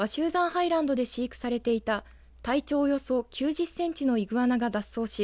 ハイランドで飼育されていた体長およそ９０センチのイグアナが脱走し